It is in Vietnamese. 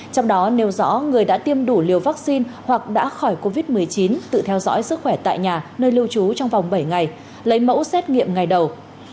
trong đó nêu rõ người đã tiêm đủ liều vaccine hoặc đã khỏi covid một mươi chín tự theo dõi sức khỏe tại nhà nơi lưu trú trong vòng bảy ngày lấy mẫu xét nghiệm ngày đầu